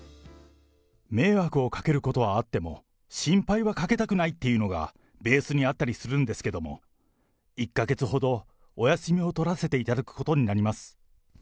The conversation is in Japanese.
迷惑をかけることはあっても、心配はかけたくないっていうのがベースにあったりするんですけども、１か月ほどお休みを取らせていただくことになります。